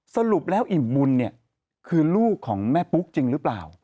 สรุปแล้วอิ่มบุญเนี่ยคือลูกของแม่ปุ๊กจริงหรือเปล่า